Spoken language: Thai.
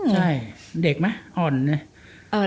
ใช่เด็กไหมอ่อนเนี่ย